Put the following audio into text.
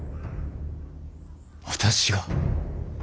私が。